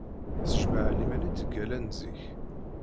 S jmaɛliman i ttgallan zik.